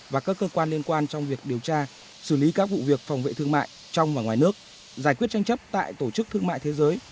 và các cơ quan liên quan trong việc điều tra xử lý các vụ việc phòng vệ thương mại trong và ngoài nước giải quyết tranh chấp tại tổ chức thương mại thế giới